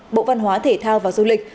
bộ văn hóa thể thao và du lịch